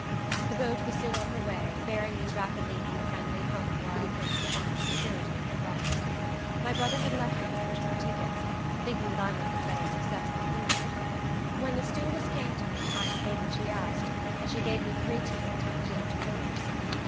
The boat was soon on her way, bearing me rapidly from the friendly home where I had hoped to find security and rest. My brother had left me to purchase the tickets, thinking that I might have better success than he would. When the stewardess came to me, I paid what she asked, and she gave me three tickets with clipped corners.